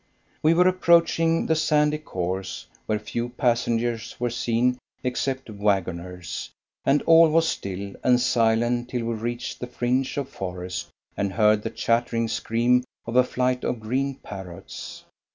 We were approaching the sandy course where few passengers were seen except wagoners and all was still and silent till we reached the fringe of forest and heard the chattering scream of a flight of green parrots.